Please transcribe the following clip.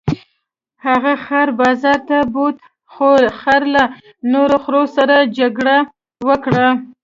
هغه خر بازار ته بوت خو خر له نورو خرو سره جګړه وکړه.